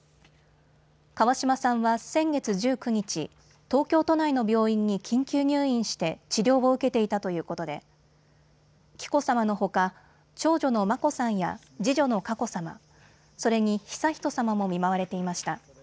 川嶋さんは先月１９日、東京都内の病院に緊急入院して治療を受けていたということで紀子さまのほか長女の眞子さんや次女の佳子さま、それに悠仁さまも見舞われていました。